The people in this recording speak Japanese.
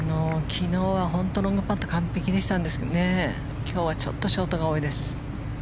昨日は本当にロングパット完璧だったんですけど今日はちょっとショートが多いです。